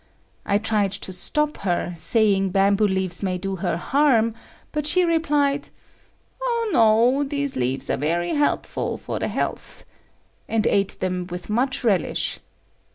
I tried to stop her, saying bamboo leaves may do her harm, but she replied, "O, no, these leaves are very helpful for the health," and ate them with much relish.